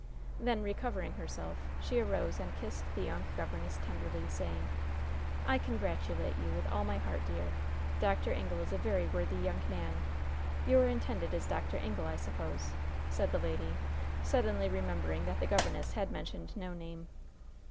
Then, recovering herself, she arose and kissed the young governess tenderly, saying: "I congratulate you with all my heart, dear. Dr. Ingle is a very worthy young man. Your intended is Dr. Ingle, I suppose?" said the lady, suddenly remembering that the governess had mentioned no name.